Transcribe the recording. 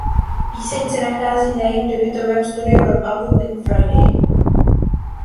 Píseň se nachází na jejím debutovém studiovém albu "Pink Friday".